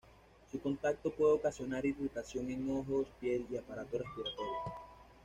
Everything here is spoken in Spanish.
Su contacto puede ocasionar irritación en ojos, piel y aparato respiratorio.